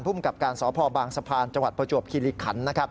ภูมิกับการสอบภอบางสะพานจังหวัดประจวบคิริขันต์